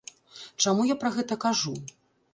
Чаму я пра гэта кажу?